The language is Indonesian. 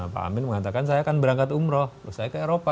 pak amin mengatakan saya akan berangkat umroh terus saya ke eropa